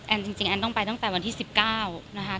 จริงแอนต้องไปตั้งแต่วันที่๑๙นะคะ